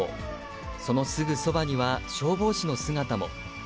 そのすぐそばには消防士の姿も。